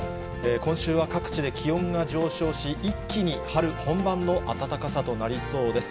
今週は各地で気温が上昇し、一気に春本番の暖かさとなりそうです。